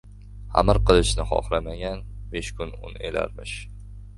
• Hamir qilishni hohlamagan besh kun un elarmish.